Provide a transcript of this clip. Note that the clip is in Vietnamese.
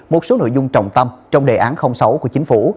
một số nội dung trọng tâm trong đề án sáu của chính phủ